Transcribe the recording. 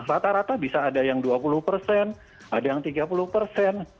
rata rata bisa ada yang dua puluh persen ada yang tiga puluh persen